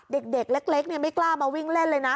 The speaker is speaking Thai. เด็กเล็กไม่กล้ามาวิ่งเล่นเลยนะ